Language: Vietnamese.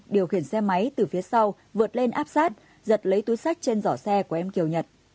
điều khiển xe máy từ phía sau vượt lên áp sát giật lấy túi sách trên giỏ xe của em kiều nhật